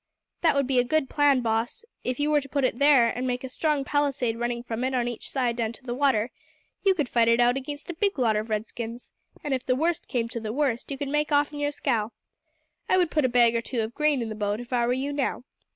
"That would be a good plan, boss. If you were to put it there, and make a strong palisade running from it on each side down to the water, you could fight it out against a big lot of red skins, and if the worst came to the worst, could make off in your scow. I would put a bag or two of grain in the boat, if I were you, now.